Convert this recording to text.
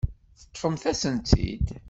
Teṭṭfemt-asent-tt-id.